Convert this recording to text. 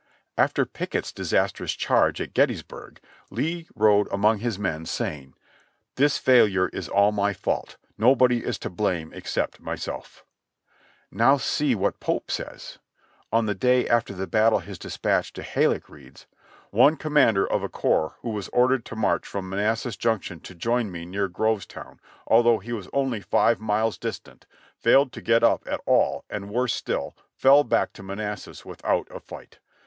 After Pickett's disastrous charge at Gettysburg, Lee rode among his men. saying : "This failure is all my fault ; nobody is to blame except myself." Now see what Pope says. On the day after the battle his dispatch to Halleck reads : "One commander of a corps who was ordered to march from Manassas Junction to join me near Grovetown, although he was only five miles distant, failed to get up at all and worse still, fell back to Manassas without a fight.